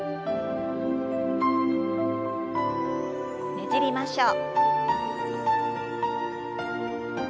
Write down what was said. ねじりましょう。